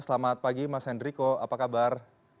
selamat pagi mas hendriko apa kabar